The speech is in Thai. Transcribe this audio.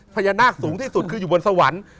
พญานาคสูงที่สุดคืออยู่บนสวรรค์